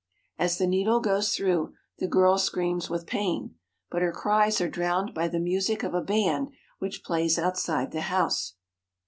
As the needle goes through, the girl screams with pain, but her cries are drowned by the music of a band which plays outside the house.